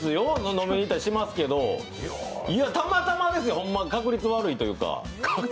飲みに行ったりしますけどたまたまですよ、確率悪いというか。